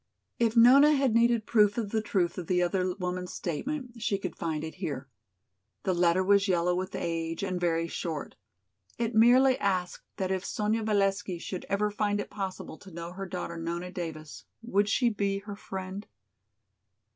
If Nona had needed proof of the truth of the other woman's statement she could find it here. The letter was yellow with age and very short. It merely asked that if Sonya Valesky should ever find it possible to know her daughter, Nona Davis, would she be her friend?